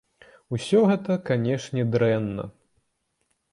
Усё гэта, канешне, дрэнна.